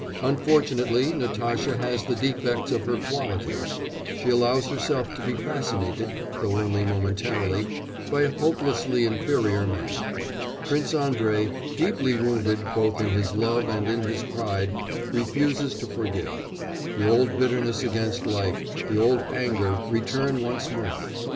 Unfortunately Natasha has the defects of her qualities; she allows herself to be fascinated (though only momentarily) by a hopelessly inferior man. Prince Andrei, deeply wounded both in his love and in his pride, refuses to forgive; the old bitterness against life, the old anger return once more.